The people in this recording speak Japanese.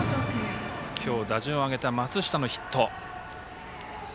今日、打順を上げた松下のヒット。